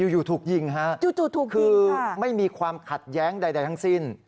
อยู่ถูกยิงฮะจู่คือไม่มีความขัดแย้งใดทั้งสิ้น